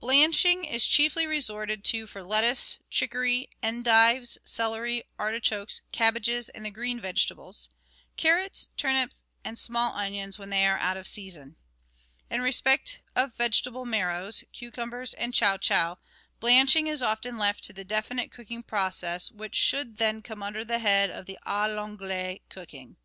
Blanching is chiefly resorted to for lettuce, chicory, endives, celery, artichokes, cabbages, and the green vegetables; carrots, turnips, and small onions when they are out of season. In respect of vegetable marrows, cucumbers, and chow chow, blanching is often left to the definite cooking process, which should then come under the head of the "k I'anglaise" cooking.